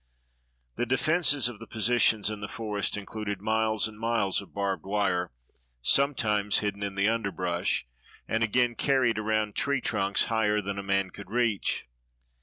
The defenses of the positions in the forest included miles and miles of barbed wire, sometimes hidden in the underbrush, and again carried around tree trunks higher than a man could reach.